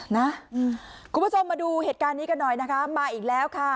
คุณผู้ชมมาดูเหตุการณ์นี้กันหน่อยนะคะมาอีกแล้วค่ะ